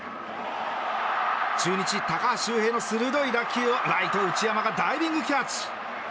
中日、高橋周平の鋭い打球をライト、内山がダイビングキャッチ！